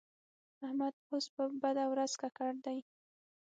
احمد اوس په بده ورځ ککړ دی.